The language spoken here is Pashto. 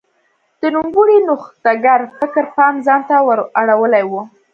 د نوموړي نوښتګر فکر پام ځان ته ور اړولی و.